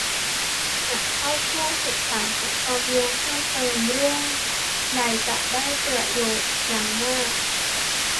หากเข้าช่วงศึกษาหาความรู้เพิ่มเติมเรื่องใดจะได้ประโยชน์อย่างมาก